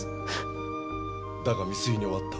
だが未遂に終わった。